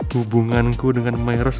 hubunganku dengan mel ros